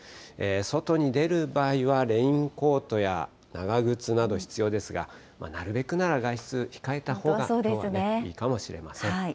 外に出る場合はレインコートや長靴など必要ですが、なるべくなら外出、控えたほうがきょうはいいかもしれません。